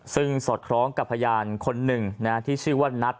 ซึ่งสอดคล้องกับพยานคนหนึ่งที่ชื่อว่านัท